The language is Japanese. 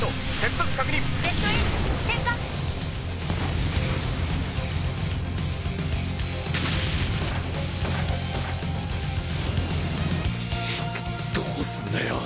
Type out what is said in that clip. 鼻どうすんだよ